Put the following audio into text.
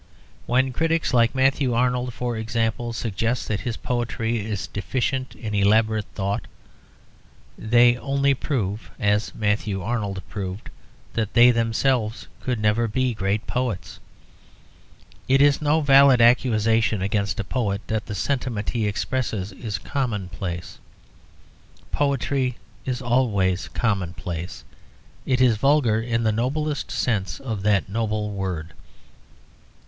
When critics like Matthew Arnold, for example, suggest that his poetry is deficient in elaborate thought, they only prove, as Matthew Arnold proved, that they themselves could never be great poets. It is no valid accusation against a poet that the sentiment he expresses is commonplace. Poetry is always commonplace; it is vulgar in the noblest sense of that noble word.